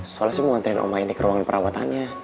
soalnya saya mau nganterin oma ini ke ruangan perawatannya